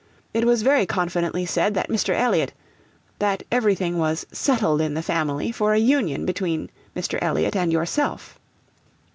It was very confidently said that Mr. Elliot that everything was settled in the family for a union between Mr. Elliot and yourself.